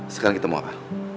sekarang kita mau apa